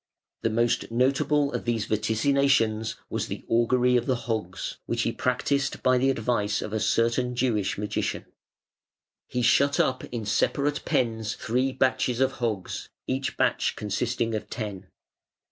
The most notable of these vaticinations was "the Augury of the Hogs", which he practised by the advice of a certain Jewish magician. He shut up in separate pens three batches of hogs, each batch consisting of ten.